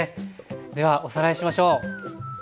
ではおさらいしましょう。